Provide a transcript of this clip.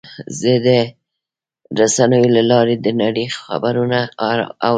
زه د رسنیو له لارې د نړۍ خبرونه اورم.